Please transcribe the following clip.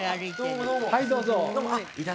はいどうぞ。